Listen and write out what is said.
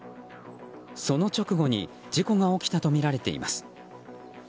その直後に事故が起きたとみられています。